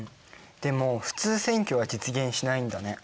でも普通選挙は実現しないんだね。